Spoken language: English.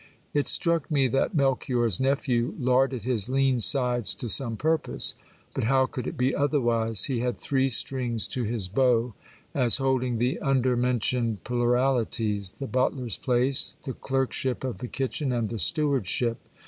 It struck me that Melchior's nephew larded his lean sides to some purpose. But how could it be otherwise ? he had three strings to his bow, as holding the undermentioned pluralities : the butler's place, the clerk ship of the kitchen, and the stewardship.